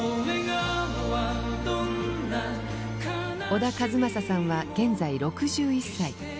小田和正さんは現在６１歳。